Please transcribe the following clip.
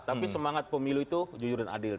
tapi semangat pemilu itu jujur dan adil